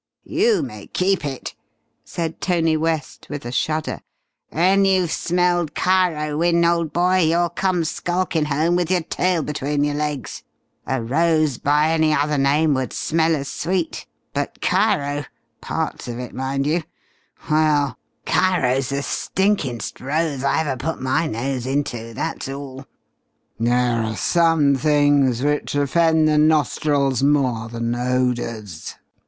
"You may keep it!" said Tony West with a shudder. "When you've smelled Cairo, Wynne, old boy, you'll come skulkin' home with your tail between your legs. A 'rose by any other name would smell as sweet,' but Cairo parts of it mind you well, Cairo's the stinkin'st rose I ever put my nose into, that's all!" "There are some things which offend the nostrils more than odours!"